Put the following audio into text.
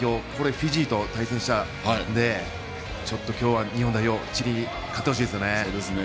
フィジーと対戦したんでちょっと今日は日本代表チリに勝ってほしいですね。